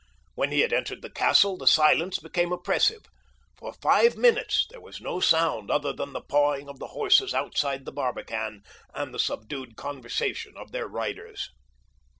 When he had entered the castle the silence became oppressive. For five minutes there was no sound other than the pawing of the horses outside the barbican and the subdued conversation of their riders.